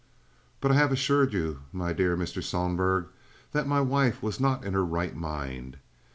"But I have assured you, my dear Mr. Sohlberg, that my wife was not in her right mind.